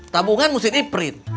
tabungan mesti di print